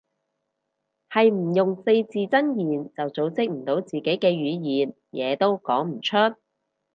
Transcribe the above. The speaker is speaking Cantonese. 係唔用四字真言就組織唔到自己嘅語言，嘢都講唔出